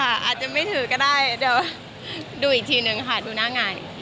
โอ้โหไม่รอค่ะอาจจะไม่ถือก็ได้เดี๋ยวดูอีกทีหนึ่งค่ะดูหน้างานอีกที